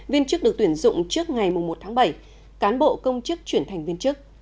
viên chức được tuyển dụng trước ngày một tháng bảy cán bộ công chức chuyển thành viên chức